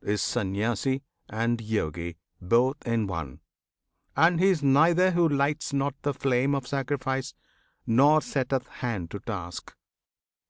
Is Sanyasi and Yogi both in one And he is neither who lights not the flame Of sacrifice, nor setteth hand to task.